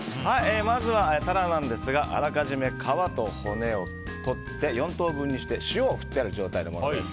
まずはタラなんですがあらかじめ皮と骨を取って４等分にして塩を振ってある状態のものです。